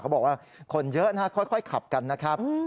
บอกว่าคนเยอะนะค่อยขับกันนะครับ